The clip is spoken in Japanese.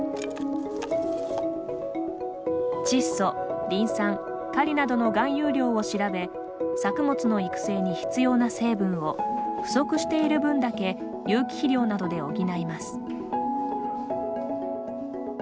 窒素、リン酸、カリなどの含有量を調べ作物の育成に必要な成分を不足している分だけ有機肥料などで補います。